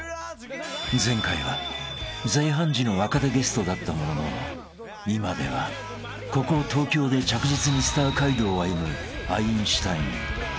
［前回は在阪時の若手ゲストだったものの今ではここ東京で着実にスター街道を歩むアインシュタイン］